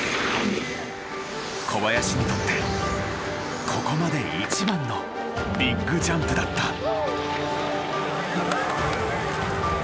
小林にとってここまで一番のビッグジャンプだった。